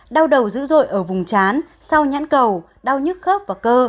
đau đầu dữ dội ở vùng chán sau nhãn cầu đau nhức khớp và cơ